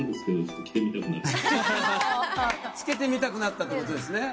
着けてみたくなったってことですね？